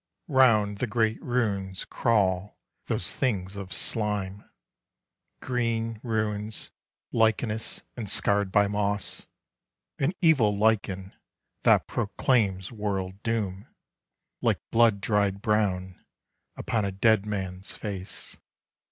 THE END. ROUND the great ruins crawl those things of slime Green ruins lichenous and scarred by moss, — An evil lichen that proclaims world doom, Like blood dried brown upon a dead man's face.